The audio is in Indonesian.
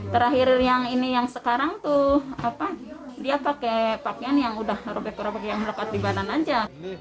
terakhir yang ini yang sekarang tuh dia pakai pakaian yang udah rebek rebek yang lekat di badan aja